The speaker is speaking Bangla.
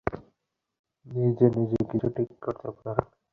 নিজে নিজে কিছু ঠিক করতে পারি না।